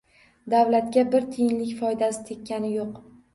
Davlatga bir tiyinlik foydasi tekkani yo`q